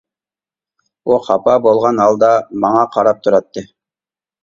ئۇ خاپا بولغان ھالدا ماڭا قاراپ تۇراتتى.